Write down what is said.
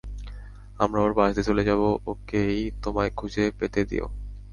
আমরা ওর পাশ দিয়ে চলে যাবো, ওকেই তোমায় খুঁজে পেতে দিও।